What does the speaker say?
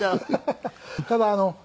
ただあの。